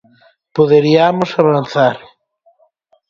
Poderiamos avanzar.